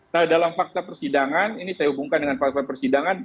nah dalam fakta persidangan ini saya hubungkan dengan fakta persidangan